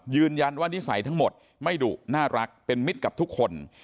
ยืนยันว่านิสัยทั้งหมดไม่ดูน่ารักเป็นมิตรกับทุกคน